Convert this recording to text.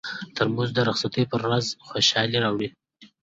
ترموز د رخصتۍ پر ورځ خوشالي راوړي.